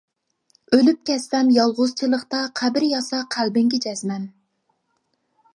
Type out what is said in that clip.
ئۆلۈپ كەتسەم يالغۇزچىلىقتا قەبرە ياسا قەلبىڭگە جەزمەن!